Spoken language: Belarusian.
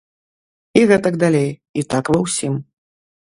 І гэтак далей, і так ва ўсім.